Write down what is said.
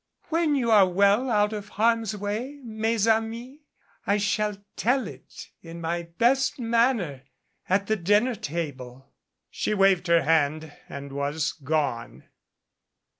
When you are well out of harm's way, mes amis, I shall tell it, in my best manner, at the dinner table." She waved her hand and was gone.